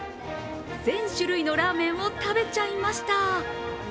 全種類のラーメンを食べちゃいました。